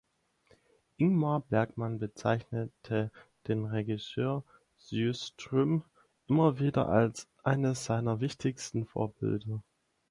Ingmar Bergman bezeichnete den Regisseur Sjöström immer wieder als eines seiner wichtigsten Vorbilder.